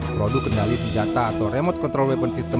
produk kendali senjata atau remote control weapon system